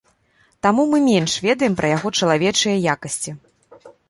Таму мы менш ведаем пра яго чалавечыя якасці.